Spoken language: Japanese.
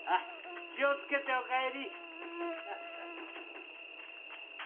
気をつけてお帰り！